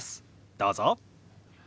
どうぞ。